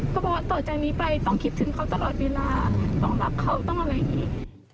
เพราะต่อจากนี้ไปต้องคิดถึงเขาตลอดเวลาต้องรักเขาต้องอะไรอีก